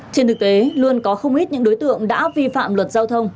trên thực tế luôn có không ít những đối tượng đã vi phạm luật giao thông